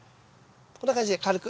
こんな感じで軽く。